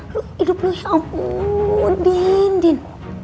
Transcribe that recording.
hidup lo ya ampun din